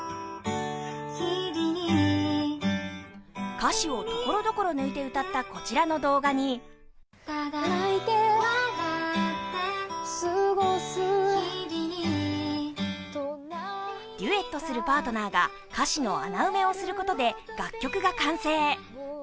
歌詞をところどころ抜いて歌ったこちらの動画にデュエットするパートナーが歌詞の穴埋めをすることで楽曲が完成。